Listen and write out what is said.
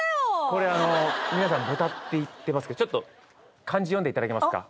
これ皆さん豚って言ってますけどちょっと漢字読んでいただけますか？